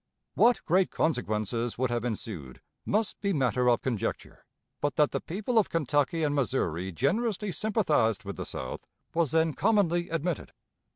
What great consequences would have ensued must be matter of conjecture, but that the people of Kentucky and Missouri generously sympathized with the South was then commonly admitted.